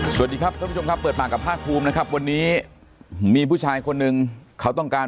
สวัสดีครับท่านผู้ชมครับเปิดปากกับภาคภูมินะครับวันนี้มีผู้ชายคนหนึ่งเขาต้องการ